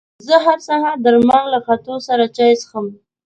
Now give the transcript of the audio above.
زه هر سهار د لمر له ختو سره چای څښم.